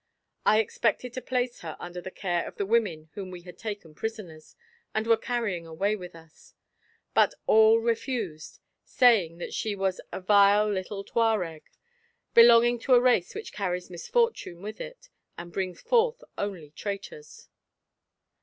I expected to place her under the care of the women whom we had taken prisoners, and were carrying away with us. But all refused, saying that she was a vile little Touareg, belonging to a race which carries misfortune with it and brings forth only traitors.